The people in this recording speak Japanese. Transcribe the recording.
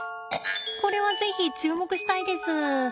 これは是非注目したいです。